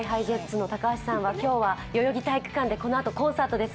の高橋さんは今日は代々木体育館でこのあとコンサートです。